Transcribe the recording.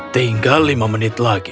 tinggal lima menit lagi